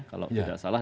kalau tidak salah